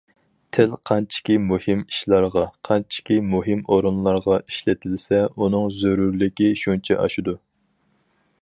تىل قانچىكى مۇھىم ئىشلارغا، قانچىكى مۇھىم ئورۇنلارغا ئىشلىتىلسە ئۇنىڭ زۆرۈرلۈكى شۇنچە ئاشىدۇ.